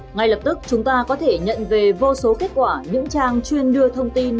ngay lập tức chúng ta có thể nhận về vô số kết quả những trang chuyên đưa thông tin